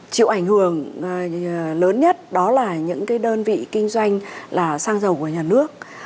chịu ảnh hưởng lớn nhất đó là những cái đơn vị kinh doanh là sang giàu của nhà nước